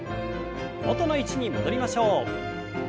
元の位置に戻りましょう。